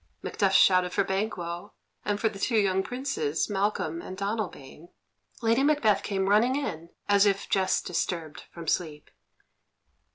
Macduff shouted for Banquo, and for the two young Princes, Malcolm and Donalbain. Lady Macbeth came running in, as if just disturbed from sleep.